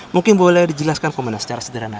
mungkin boleh dijelaskan komandan secara sederhana